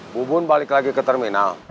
bubun balik lagi ke terminal